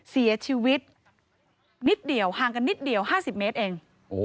เสียชีวิตห่างกันนิดเดียว๕๐เมตรเอง